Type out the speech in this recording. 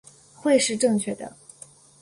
会是正确的